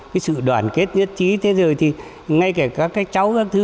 cái sự đoàn kết nhất trí thế rồi thì ngay cả các cái cháu các thứ